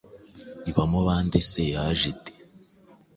ibamo bande ese yaje ite